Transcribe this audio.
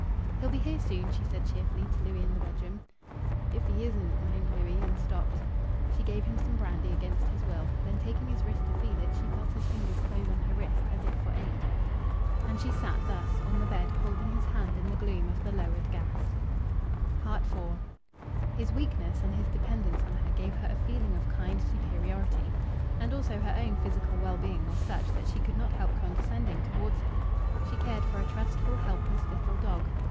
"He'll be here soon," she said cheerfully, to Louis in the bedroom. "If he isn't " moaned Louis, and stopped. She gave him some brandy, against his will. Then, taking his wrist to feel it, she felt his fingers close on her wrist, as if for aid. And she sat thus on the bed holding his hand in the gloom of the lowered gas. IV His weakness and his dependence on her gave her a feeling of kind superiority. And also her own physical well being was such that she could not help condescending towards him. She cared for a trustful, helpless little dog.